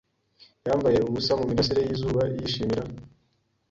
Yambaye ubusa mumirasire yizuba yishimira